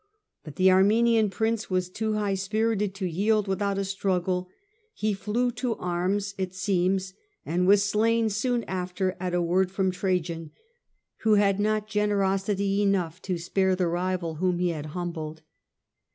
But the Armenian prince was too high spirited to yield without a struggle ; he flew to arms, it seems, and c. Fronto, was slain soon after at a word from Trajan, Pfinc. Hist, who had not generosity enough to spare the rival whom he had humbled.